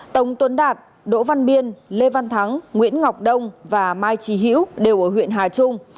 tống tuấn đạt đỗ văn biên lê văn thắng nguyễn ngọc đông và mai trí hữu đều ở huyện hà trung